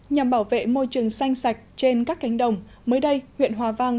nhằm bảo vệ môi trường xanh sạch trên các cánh đồng mới đây huyện hòa vang